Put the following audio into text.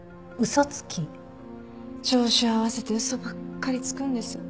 調子を合わせて嘘ばっかりつくんです。